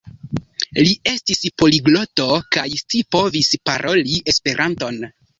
Li estis poligloto kaj scipovis paroli Esperanton.